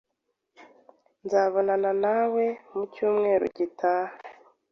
Nzabonana nawe mucyumweru gitaha.